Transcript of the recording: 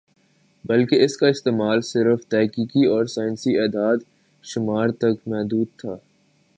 بلکہ اس کا استعمال صرف تحقیقی اور سائنسی اعداد و شمار تک محدود تھا